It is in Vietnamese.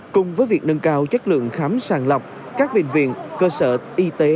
cùng với việc nâng cao chất lượng khám sàng lọc các bệnh viện cơ sở y tế